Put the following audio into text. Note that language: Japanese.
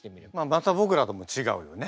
また僕らともちがうよね。